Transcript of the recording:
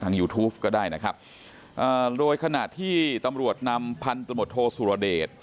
ยูทูปก็ได้นะครับอ่าโดยขณะที่ตำรวจนำพันธมตโทสุรเดช